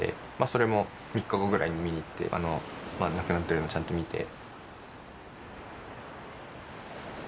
それも３日後ぐらいに見に行ってなくなってるのをちゃんと見て。